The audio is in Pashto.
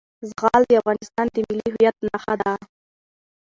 زغال د افغانستان د ملي هویت نښه ده.